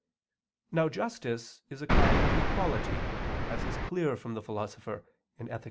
Now justice is a kind of equality, as is clear from the Philosopher (Ethic.